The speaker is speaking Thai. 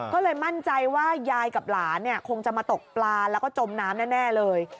ก็เลยมั่นใจว่ายายกับหลานเนี่ยคงจะมาตกปลาแล้วก็จมน้ำแน่เลย